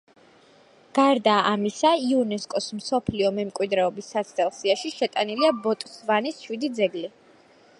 გარდა ამისა იუნესკოს მსოფლიო მემკვიდრეობის საცდელ სიაში შეტანილია ბოტსვანის შვიდი ძეგლი.